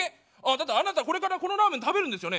だったらあなたこれからこのラーメン食べるんですよね？